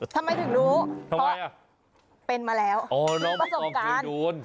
ทำไมถึงรู้เพราะเป็นมาแล้วประสบการณ์โอ้โฮน้องมาตรงคืนดูน